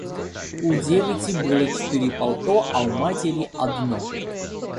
У девицы было четыре пальто, а у матери одно.